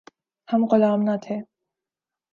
ہم غلام نہ تھے۔